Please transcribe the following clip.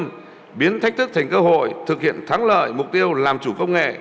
công an nhân dân biến thách thức thành cơ hội thực hiện thắng lợi mục tiêu làm chủ công nghệ